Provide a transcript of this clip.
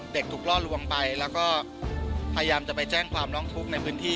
ถูกล่อลวงไปแล้วก็พยายามจะไปแจ้งความร้องทุกข์ในพื้นที่